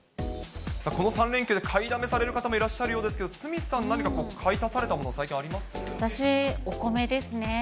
この３連休で買いだめされる方もいらっしゃるようですけれども、鷲見さん、何か買い足された私、お米ですね。